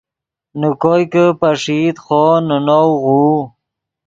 نے کوئے کہ پݰئیت خوو نے نؤ غوؤ